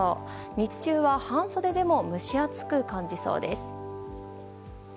日中は半袖でも蒸し暑く感じそうです。